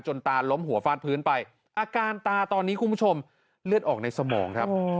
ตาล้มหัวฟาดพื้นไปอาการตาตอนนี้คุณผู้ชมเลือดออกในสมองครับ